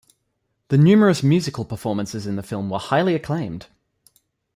The numerous musical performances in the film were highly acclaimed.